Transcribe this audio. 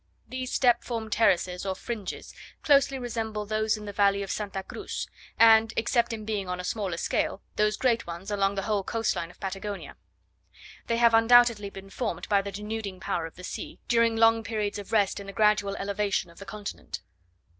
These step formed terraces or fringes closely resemble those in the valley of S. Cruz, and, except in being on a smaller scale, those great ones along the whole coast line of Patagonia. They have undoubtedly been formed by the denuding power of the sea, during long periods of rest in the gradual elevation of the continent.